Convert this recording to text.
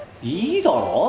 いいだろ